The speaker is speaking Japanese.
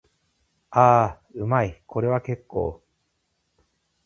ああ、うまい。これは結構。